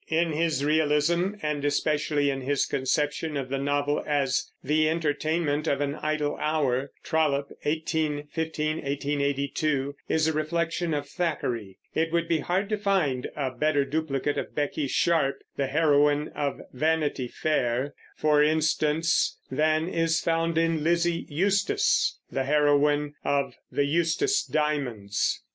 In his realism, and especially in his conception of the novel as the entertainment of an idle hour, Trollope (1815 1882) is a reflection of Thackeray. It would be hard to find a better duplicate of Becky Sharp, the heroine of Vanity Fair, for instance, than is found in Lizzie Eustace, the heroine of The Eustace Diamonds.